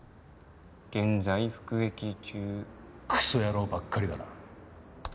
「現在服役中」クソ野郎ばっかりだな。